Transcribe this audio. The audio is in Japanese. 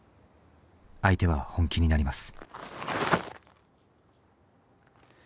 相手は本気になります。